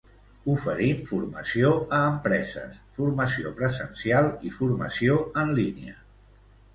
Oferim formació a empreses, formació presencial i formació en línia.